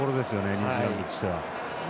ニュージーランドとしては。